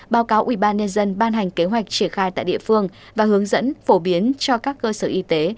báo cáo ubnd ban hành kế hoạch triển khai tại địa phương và hướng dẫn phổ biến cho các cơ sở y tế